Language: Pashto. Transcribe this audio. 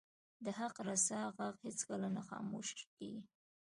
د حق رسا ږغ هیڅکله نه خاموش کیږي